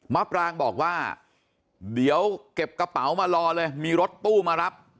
ปรางบอกว่าเดี๋ยวเก็บกระเป๋ามารอเลยมีรถตู้มารับ